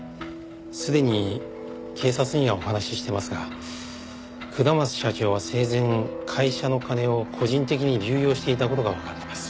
すでに警察にはお話ししていますが下松社長は生前会社の金を個人的に流用していた事がわかっています。